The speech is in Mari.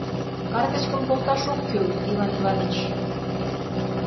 Картычкым колташ ок кӱл, Иван Иваныч.